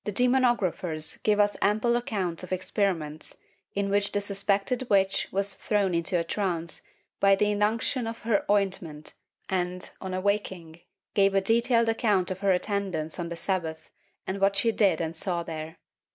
The demonographers give us ample accounts of experiments in which the suspected witch was thrown into a trance by the inunction of her ointment and, on awaking, gave a detailed account of her attendance on the Sabbat and of what she did and saw there.